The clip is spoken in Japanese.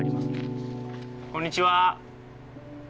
こんにちは。